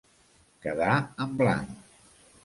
Quedar en blanc.